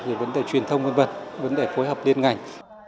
vấn đề truyền thông vấn đề phối hợp liên ngành